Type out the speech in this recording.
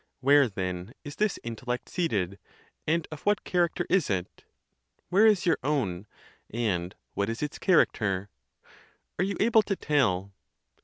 Where, then, is this intellect seated, and of what character is it? where is your own, and what is its character? Are you able to tell?